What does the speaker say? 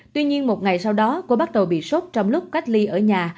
tuy nhiên một ngày sau đó cô bắt đầu bị sốt trong lúc cách ly ở nhà